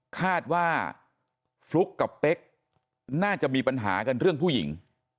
คาดว่าฟลุ๊กกับเป๊กน่าจะมีปัญหากันเรื่องผู้หญิง